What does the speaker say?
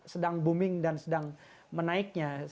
sedang booming dan sedang menaiknya